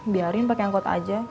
biarin pakai angkot aja